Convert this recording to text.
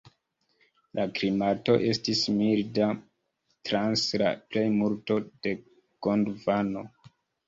La klimato estis milda trans la plejmulto de Gondvano.